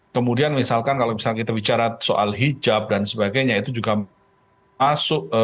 kemudian misalkan kalau misalkan kita bicara soal hijab dan sebagainya itu juga masuk